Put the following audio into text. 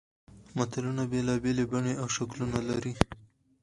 متلونه بېلابېلې بڼې او شکلونه لري